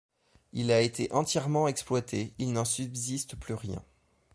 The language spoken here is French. Il a été entièrement exploité, il n'en subsiste plus rien.